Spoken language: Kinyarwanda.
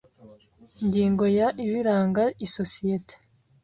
Ingingo ya Ibiranga isosiyete